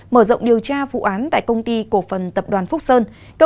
cảnh sát điều tra bộ công an đã khởi tố